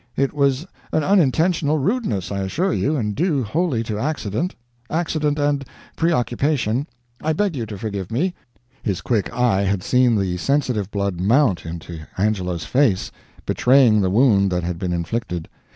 It was an unintentional rudeness, I assure you, and due wholly to accident accident and preoccupation. I beg you to forgive me." His quick eye had seen the sensitive blood mount into Angelo's face, betraying the wound that had been inflicted.